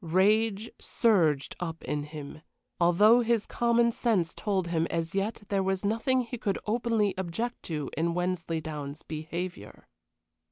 Rage surged up in him, although his common sense told him as yet there was nothing he could openly object to in Wensleydown's behavior.